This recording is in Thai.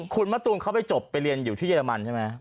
คุณมะตูมเขาไปจบไปเรียนอยู่ที่เรมันใช่ไหม